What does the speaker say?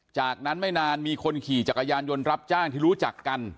จากนั้นไม่นานมีคนขี่จักรยานยนต์รับจ้างที่รู้จักกัน